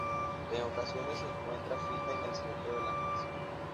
En ocasiones se encuentra fija en el centro de la mesa.